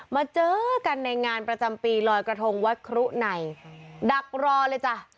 มาเจอกันในงานประจำปีลอยกระทงวัดครุในดักรอเลยจ้ะ